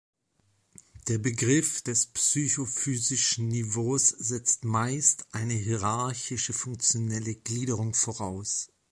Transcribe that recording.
Der Begriff des psychophysischen Niveaus setzt meist eine hierarchische funktionelle Gliederung voraus.